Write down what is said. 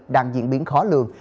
đang diễn biến khó lường